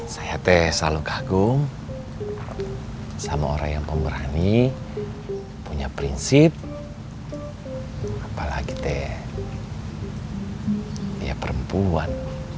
saya teh selalu kagum sama orang yang pemberani punya prinsip apalagi teh perempuan